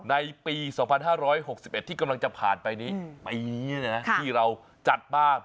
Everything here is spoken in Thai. ในปี๒๕๖๑ที่กำลังจะผ่านไปนี้ปีนี้ที่เราจัดมา